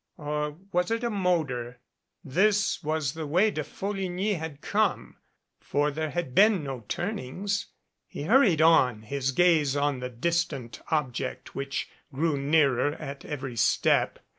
Or was it a motor? This was the way De Folligny had come, for there had been no turnings. He hurried on, his gaze on the distant object which grew nearer at every step.